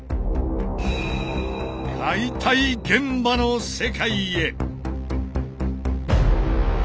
解体現場の世界へ！